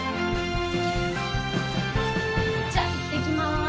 じゃいってきます。